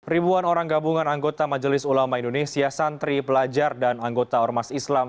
ribuan orang gabungan anggota majelis ulama indonesia santri pelajar dan anggota ormas islam